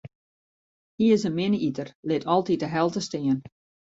Hy is in minne iter, lit altyd de helte stean.